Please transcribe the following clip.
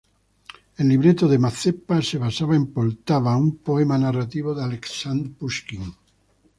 El libreto de "Mazepa" se basaba en "Poltava", un poema narrativo de Aleksandr Pushkin.